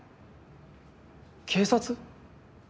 警察？